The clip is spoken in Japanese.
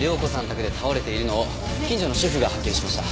宅で倒れているのを近所の主婦が発見しました。